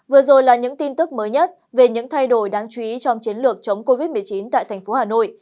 vừa rồi là những tin tức mới nhất về những thay đổi đáng chú ý trong chiến lược chống covid một mươi chín tại thành phố hà nội